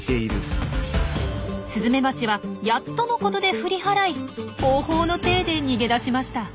スズメバチはやっとのことで振り払いほうほうの体で逃げ出しました。